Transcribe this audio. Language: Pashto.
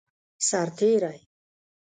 سرتیری